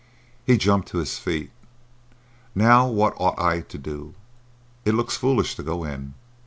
He jumped to his feet. "Now what ought I to do? It looks foolish to go in.